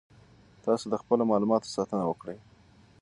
تاسو د خپلو معلوماتو ساتنه وکړئ.